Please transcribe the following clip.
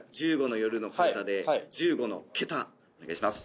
「１５の夜」の替え歌で「１５の桁」お願いします